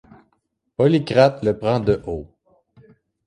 Polycrate le prend de haut.